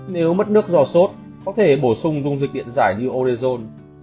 nếu mất nước do sốt có thể bổ sung dung dịch điện giải như orezon